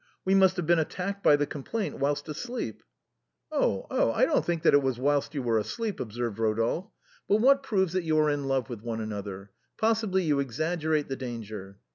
We must have been attacked by the complaint whilst asleep." "Oh ! oh ! I don't think that it was whilst you were asleep," observed Eodolphe. " But what proves that you are in love with one another ? Possibly you exaggerate the danger."